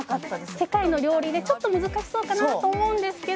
世界の料理でちょっと難しそうかなと思うんですけど